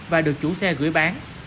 và được chủ xe gửi bán